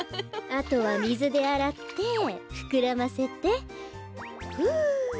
あとはみずであらってふくらませてふう！